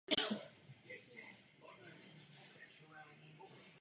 Pro ty by takový svatostánek znamenal zkvalitnění jejich pobytu.